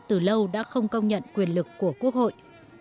từ lâu đã không công nhận quyền lực của quốc hội